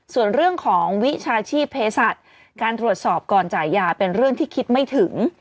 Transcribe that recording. ส่วนเรื่องของวิชาชีพเพศัตริย์การตรวจสอบก่อนจ่ายยาเป็นเรื่องที่คิดไม่ถึง